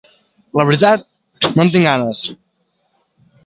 La veritat: no en tinc ganes.